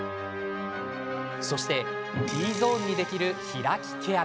そして、Ｔゾーンにできる開き毛穴。